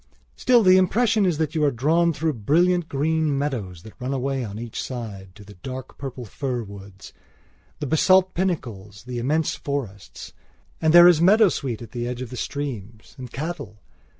Still, the impression is that you are drawn through brilliant green meadows that run away on each side to the dark purple fir woods; the basalt pinnacles; the immense forests. And there is meadowsweet at the edge of the streams, and cattle.